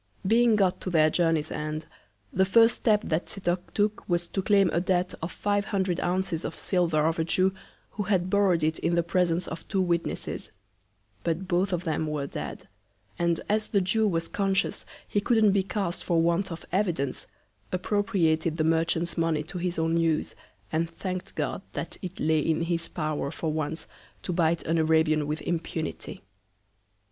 Being got to their Journey's End, the first Step that Setoc took was to claim a Debt of five hundred Ounces of Silver of a Jew, who had borrow'd it in the Presence of two Witnesses; but both of them were dead; and as the Jew was conscious he couldn't be cast for Want of Evidence, appropriated the Merchant's Money to his own Use, and thank'd God that it lay in his Power for once to bite an Arabian with Impunity.